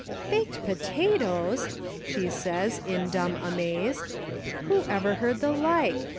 "Baked potatoes!" she says, in dumb amaze, " who ever heard the like